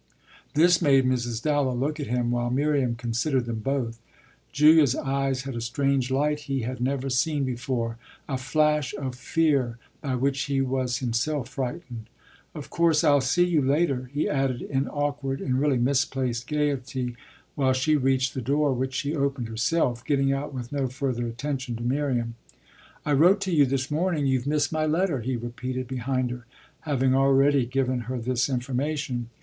This made Mrs. Dallow look at him while Miriam considered them both. Julia's eyes had a strange light he had never seen before a flash of fear by which he was himself frightened. "Of course I'll see you later," he added in awkward, in really misplaced gaiety while she reached the door, which she opened herself, getting out with no further attention to Miriam. "I wrote to you this morning you've missed my letter," he repeated behind her, having already given her this information.